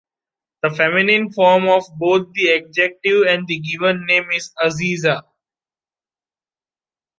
The feminine form of both the adjective and the given name is Aziza.